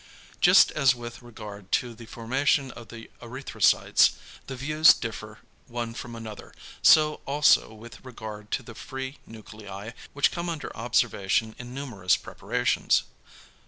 Just as with regard to the formation of erythrocytes the views differ one from another, so also with regard to the "free" nuclei which come under observation in numerous preparations.